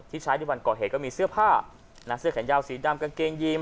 ใช้ในวันก่อเหตุก็มีเสื้อผ้าเสื้อแขนยาวสีดำกางเกงยีน